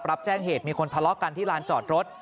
รับแจ้งเหตุมีคนทะเลาะกันที่ลานจอดรถ